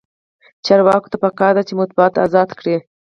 چارواکو ته پکار ده چې، مطبوعات ازاد کړي.